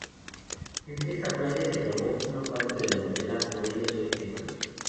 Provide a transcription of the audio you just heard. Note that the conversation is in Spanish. En esta playa se grabó un parte de la novela Por ella soy Eva.